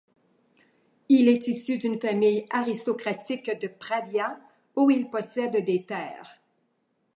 Il est issu d'une famille aristocratique de Pravia, où il possède des terres.